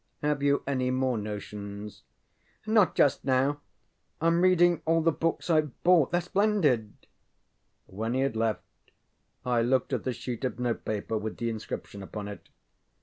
Have you any more notions? ŌĆØ ŌĆ£Not just now. IŌĆÖm reading all the books IŌĆÖve bought. TheyŌĆÖre splendid. ŌĆØ When he had left I looked at the sheet of note paper with the inscription upon it.